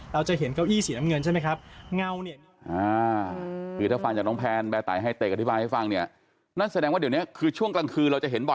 เราจะเห็นเก้าอี้สีน้ำเงินใช่ไหมครับ